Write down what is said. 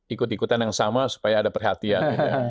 ikut ikutan yang sama supaya ada perhatian